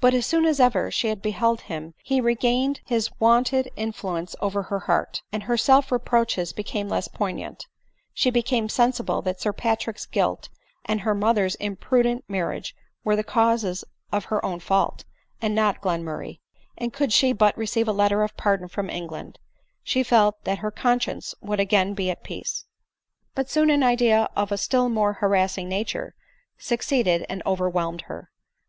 But as soon as ever she beheld him he regained his wonted in fluence over her heart, and her self reproaches became less poignant ; she became sensible that Sir Patrick's guilt and her mother's imprudent marriage were the causes of her own fault, and not Glenmurray ; and could she but receive a letter of pardon from England, she felt that her conscience would again be at peace. But soon an idea of a still more harassing nature suc ceeded and overwhelmned her.